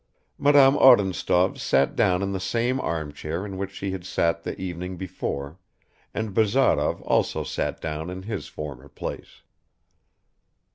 Madame Odintsov sat down in the same armchair in which she had sat the evening before, and Bazarov also sat down in his former place.